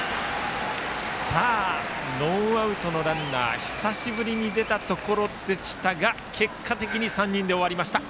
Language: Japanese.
さあ、ノーアウトのランナーが久しぶりに出たところでしたが結果的に３人で終わりました。